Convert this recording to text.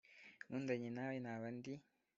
nkundanye nawe naba ndi